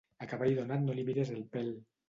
A cavall donat no li mires el pèl.